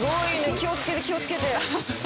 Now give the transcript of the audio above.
気をつけて気をつけて。